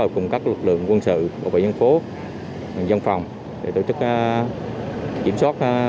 cùng các lực lượng quân sự bộ bệnh nhân phố dân phòng để tổ chức kiểm soát